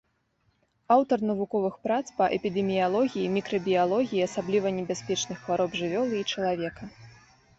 Аўтар навуковых прац па эпідэміялогіі, мікрабіялогіі асабліва небяспечных хвароб жывёлы і чалавека.